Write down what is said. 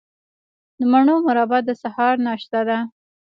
د مڼو مربا د سهار ناشته ده.